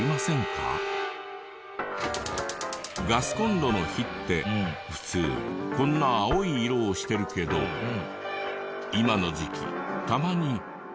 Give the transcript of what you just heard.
ガスコンロの火って普通こんな青い色をしてるけど今の時期たまに。